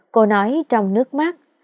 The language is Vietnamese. cô nói trong nước mắt